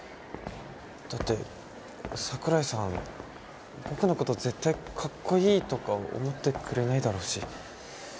だって桜井さん僕の事絶対かっこいいとか思ってくれないだろうし。